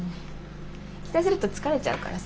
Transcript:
期待すると疲れちゃうからさ。